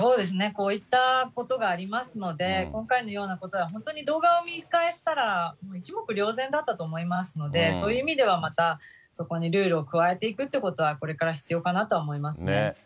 こういったことがありますので、今回のようなことは本当に動画を見返したら一目瞭然だったと思いますので、そういう意味では、またそこにルールを加えていくっていうことは、これから必要かなとは思いますね。